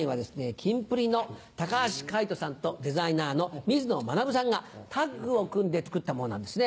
キンプリの橋海人さんとデザイナーの水野学さんがタッグを組んで作ったものなんですね。